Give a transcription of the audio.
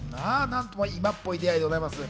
何とも今っぽい出会いでございます。